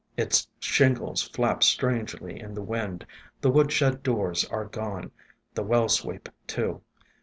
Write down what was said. Its shingles flap strangely in the wind, the woodshed doors are gone, the well sweep, too.